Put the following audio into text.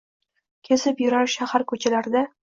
kezib yurar shahar koʼchalarida